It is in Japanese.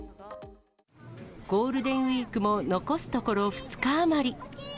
ゴールデンウィークも残すところ２日余り。